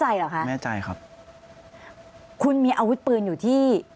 ก็คลิปออกมาแบบนี้เลยว่ามีอาวุธปืนแน่นอน